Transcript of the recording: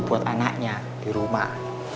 buat anaknya di rumah